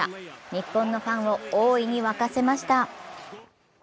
日本のファンを大いに沸かせました。